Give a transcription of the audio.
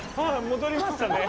戻りましたね。